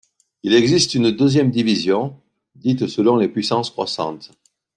Il existe une deuxième division, dite selon les puissances croissantes.